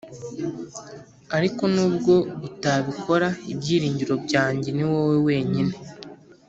ariko nubwo utabikora ibyiringiro byanjye niwowe wenyine